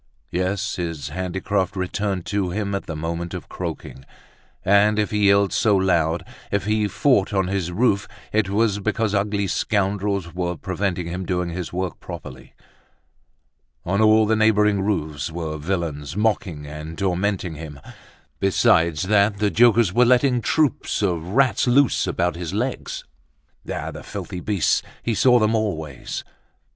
Yes, his handicraft returned to him at the moment of croaking; and if he yelled so loud, if he fought on his roof, it was because ugly scoundrels were preventing him doing his work properly. On all the neighboring roofs were villains mocking and tormenting him. Besides that, the jokers were letting troops of rats loose about his legs. Ah! the filthy beasts, he saw them always!